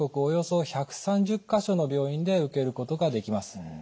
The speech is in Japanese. およそ１３０か所の病院で受けることができます。